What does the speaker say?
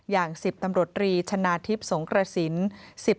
อย่าง๑๐ตำรวจรีชนะทิพย์สงกระสิน